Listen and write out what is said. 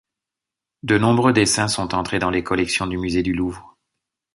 De nombreux dessins sont entrés dans les collections du musée du Louvre.